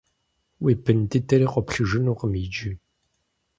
Уи бын дыдэри къоплъыжынукъым иджы.